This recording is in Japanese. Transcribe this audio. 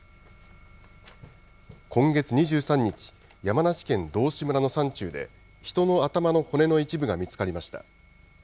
今月２３日、山梨県道志村の山中で、人の頭の骨の一部が見つかりました。